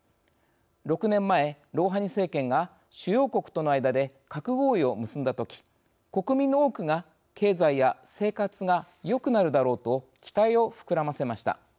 ６年前、ロウハニ政権が主要国との間で核合意を結んだとき国民の多くが経済や生活が良くなるだろうと期待を膨らませました。